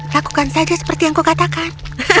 lakukan saja seperti yang kukatakan